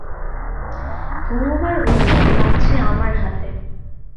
ঘুমোবার ওষুধ আছে আমার হাতে।